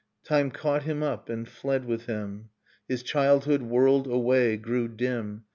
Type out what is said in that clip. Time caught him up and fled with him. His childhood whirled away, grew dim